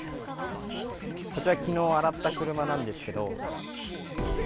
こちら、きのう洗った車なんですけど。